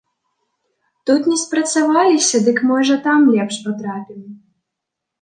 Тут не спрацаваліся, дык, можа, там лепш патрапім.